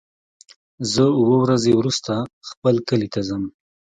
زه اووه ورځې وروسته خپل کلی ته ځم.